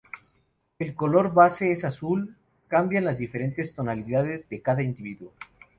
El color base es azul, cambian las diferentes tonalidades de cada individuo.